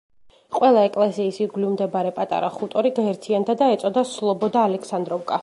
ყველა, ეკლესიის ირგვლივ მდებარე პატარა ხუტორი გაერთიანდა და ეწოდა სლობოდა ალექსანდროვკა.